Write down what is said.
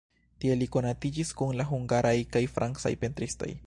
Tie li konatiĝis kun la hungaraj kaj francaj pentristoj.